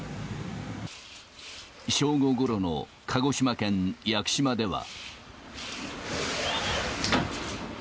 正午ごろの鹿児島県屋久島では。